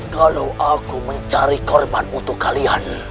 kalau aku mencari korban untuk kalian